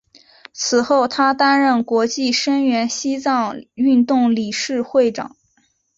此后他担任国际声援西藏运动理事会长。